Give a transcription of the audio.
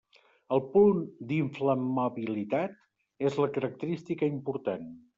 El punt d'inflamabilitat és la característica important.